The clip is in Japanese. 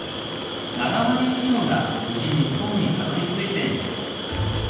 ７割以上が無事日本にたどりついています。